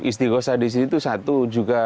istiqosa di sini itu satu juga